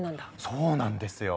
そうなんですよ。